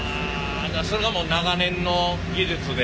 じゃそれがもう長年の技術で？